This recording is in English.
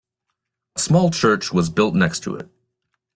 A small church was built next to it.